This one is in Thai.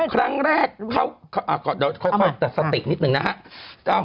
ครั้งแรกเดี๋ยวค่อยตัดสตินิดนึงนะฮะ